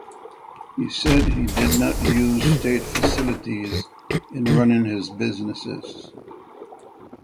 He said he did not use state facilities in running his businesses.